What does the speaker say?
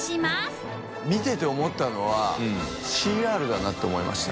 複庁腺稗韮蓮見てて思ったのはＣＲだなって思いました。